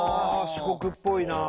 四国っぽいなあ。